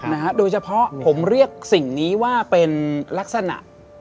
นะฮะโดยเฉพาะผมเรียกสิ่งนี้ว่าเป็นลักษณะ